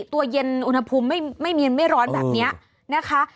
ตัวเย็นอุณหภูมิไม่เย็นไม่ร้อนแบบนี้นะคะ